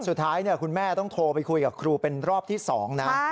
สุดท้ายคุณแม่ต้องโทรไปคุยกับครูเป็นรอบที่๒นะ